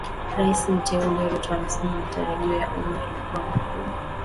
Rais mteule Ruto asema matarajio ya umma yalikuwa makubwa